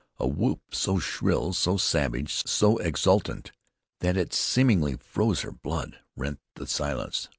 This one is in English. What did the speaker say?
A whoop so shrill, so savage, so exultant, that it seemingly froze her blood, rent the silence.